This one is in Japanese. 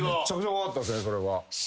怖かったっすねそれは。